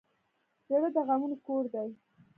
زړه د غمونو کور دی.